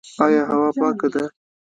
آیا هوا پاکه ده؟